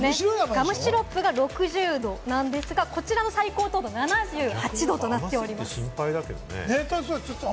ガムシロップが６０度なんですが、こちらは最高糖度７８度となっています。